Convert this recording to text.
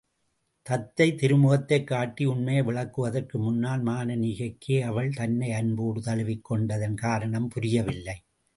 தத்தை திருமுகத்தைக் காட்டி உண்மையை விளக்குவதற்கு முன்னால், மானனீகைக்கே அவள் தன்னை அன்போடு தழுவிக் கொண்டதன் காரணம் புரியவில்லை.